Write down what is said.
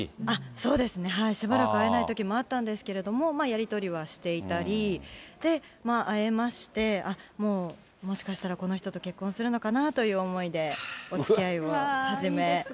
そうですね。しばらく会えないときもあったんですけれども、やり取りはしていたり、会えまして、あっ、もう、もしかしたらこの人と結婚するのかなという思いでおつきあいを始め。